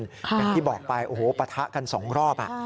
อย่างที่บอกไปปะทะกัน๒รอบ